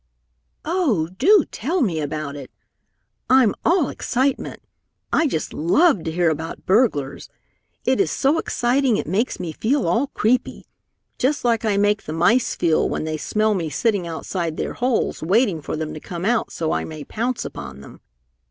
"Oh, do tell me about it! I'm all excitement! I just love to hear about burglars! It is so exciting it makes me feel all creepy! Just like I make the mice feel when they smell me sitting outside their holes waiting for them to come out so I may pounce upon them.